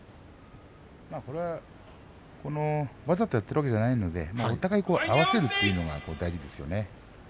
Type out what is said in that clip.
わざとやっているわけじゃありませんのでお互いに合わせるというのは大事ですね。